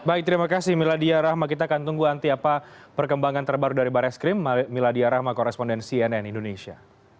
baik terima kasih miladia rahma kita akan tunggu nanti apa perkembangan terbaru dari barreskrim miladia rahma korespondensi nn indonesia